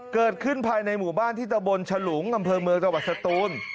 เกิดขึ้นภายในหมู่บ้านที่ตะบนฉลุงอำเภอเมืองจังหวัดสตูน